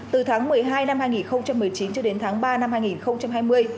từ tháng một mươi hai năm hai nghìn một mươi chín cho đến tháng ba năm hai nghìn hai mươi